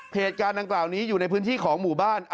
เพจการณ์ต่างนี้อยู่ในพื้นที่ของหมู่บ้าน